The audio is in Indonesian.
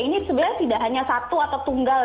ini sebenarnya tidak hanya satu atau tunggal